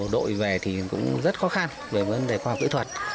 đội về thì cũng rất khó khăn về vấn đề khoa học kỹ thuật